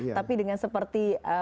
tapi dengan seperti